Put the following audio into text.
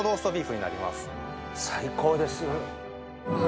最高です。